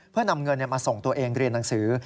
เพื่อนำเงินมาส่งตัวเองเรียนหนังสือ